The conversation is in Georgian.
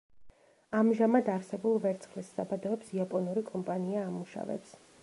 ამჟამად არსებულ ვერცხლის საბადოებს იაპონური კომპანია ამუშავებს.